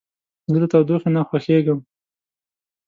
زه له تودوخې نه خوښیږم.